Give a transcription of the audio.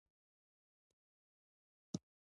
هر څه له لاسه ووزي.